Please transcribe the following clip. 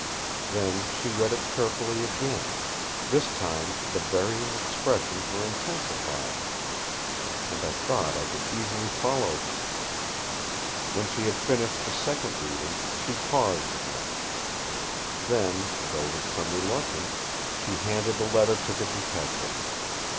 Then she read it carefully again; this time the varying expressions were intensified, and I thought I could easily follow them. When she had finished the second reading, she paused again. Then, though with some reluctance, she handed the letter to the Detective.